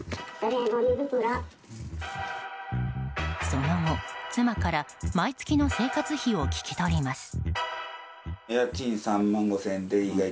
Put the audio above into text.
その後、妻から毎月の生活費を聞き取ります。